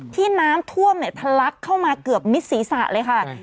ที่น้ำท่วมเนี่ยทะลักเข้ามาเกือบมิดศีรษะเลยค่ะ